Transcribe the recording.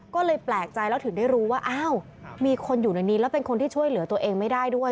ก็เลยแปลกใจแล้วถึงได้รู้ว่าอ้าวมีคนอยู่ในนี้แล้วเป็นคนที่ช่วยเหลือตัวเองไม่ได้ด้วย